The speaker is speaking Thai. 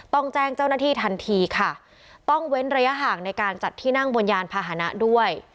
ต้องแจ้งเจ้าหน้าที่ทันทีค่ะต้องเว้นระยะห่างในการจัดที่นั่งบนยานพาหนะด้วย